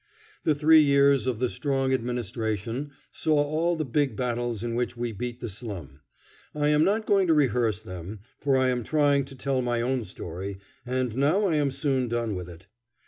The three years of the Strong administration saw all the big battles in which we beat the slum. I am not going to rehearse them, for I am trying to tell my own story, and now I am soon done with it.